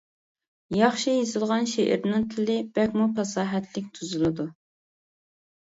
ياخشى يېزىلغان شېئىرنىڭ تىلى بەكمۇ پاساھەتلىك تۈزۈلىدۇ.